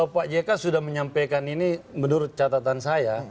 pak jk sudah menyampaikan ini menurut catatan saya